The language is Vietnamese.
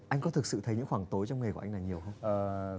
anh có thực sự thấy những khoảng tối trong nghề của anh này nhiều không